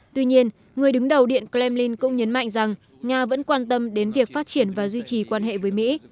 tuy nhiên người đứng đầu điện kremlin cũng nhấn mạnh rằng nga vẫn quan tâm đến việc phát triển và duy trì quan hệ với mỹ